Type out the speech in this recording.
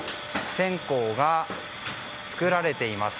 線香が作られています。